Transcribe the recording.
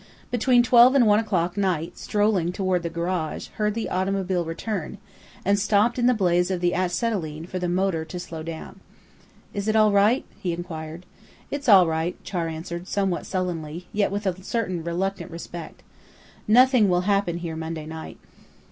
Between twelve and one o'clock Knight, strolling toward the garage, heard the automobile return, and stopped in the blaze of the acetylene for the motor to slow down. "Is it all right?" he inquired. "It's all right," Char answered, somewhat sullenly, yet with a certain reluctant respect. "Nothing will happen here Monday night."